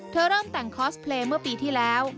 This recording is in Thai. เริ่มแต่งคอสเพลย์เมื่อปีที่แล้ว